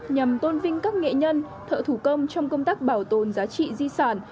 nhằm tôn vinh các nghệ nhân thợ thủ công trong công tác bảo tồn giá trị di sản